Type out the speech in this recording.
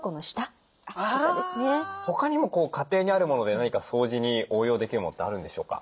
他にも家庭にあるもので何か掃除に応用できるものってあるんでしょうか？